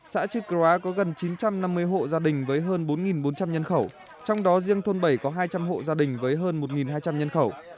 xã trư cóa có gần chín trăm năm mươi hộ gia đình với hơn bốn bốn trăm linh nhân khẩu trong đó riêng thôn bảy có hai trăm linh hộ gia đình với hơn một hai trăm linh nhân khẩu